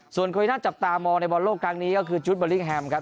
ส่วนควรินัทจับตามองในบอลโลกกลางนี้ก็คือจุศเบอร์ริ้งแฮมครับ